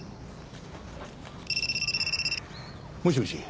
もしもし？